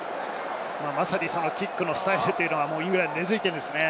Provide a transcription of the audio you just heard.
まさにキックのスタイルはイングランドに根付いていますね。